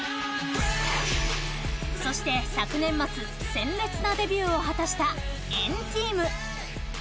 そして、昨年末鮮烈なデビューを果たした＆ＴＥＡＭ。